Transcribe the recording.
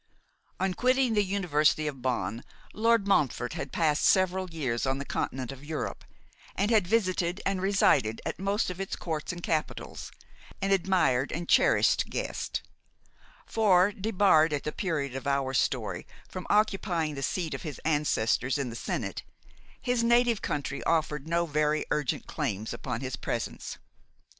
On quitting the University of Bonn, Lord Montfort had passed several years on the continent of Europe, and had visited and resided at most of its courts and capitals, an admired and cherished guest; for, debarred at the period of our story from occupying the seat of his ancestors in the senate, his native country offered no very urgent claims upon his presence.